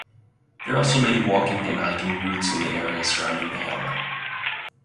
There are also many walking and hiking routes in the area surrounding the hamlet.